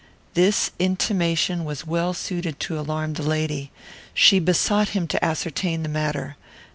This intimation was well suited to alarm the lady. She besought him to ascertain the matter.